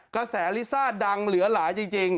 กระแสลิซ่าดังเหลือหลายจริง